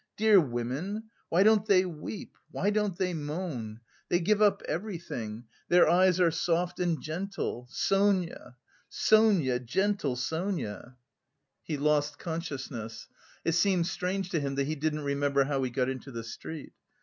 Dear women! Why don't they weep? Why don't they moan? They give up everything... their eyes are soft and gentle.... Sonia, Sonia! Gentle Sonia!" He lost consciousness; it seemed strange to him that he didn't remember how he got into the street.